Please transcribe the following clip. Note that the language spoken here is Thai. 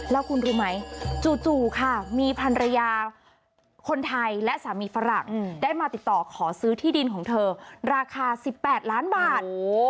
แล้วคุณรู้ไหมจู่ค่ะมีภรรยาคนไทยและสามีฝรั่งได้มาติดต่อขอซื้อที่ดินของเธอราคา๑๘ล้านบาท